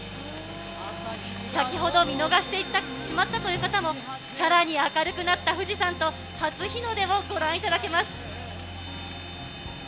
先ほど見逃してしまったという方も、さらに明るくなった富士山と初日の出をご覧いただけます。